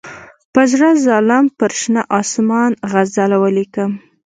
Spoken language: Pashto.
په زړه ظالم پر شنه آسمان غزل ولیکم.